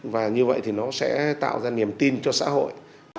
và như vậy thì nó sẽ tạo ra niềm tin cho xã hội